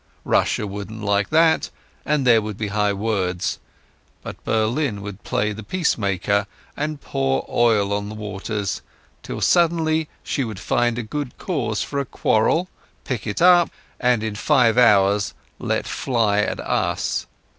Russia wouldn't like that, and there would be high words. But Berlin would play the peacemaker, and pour oil on the waters, till suddenly she would find a good cause for a quarrel, pick it up, and in five hours let fly at us.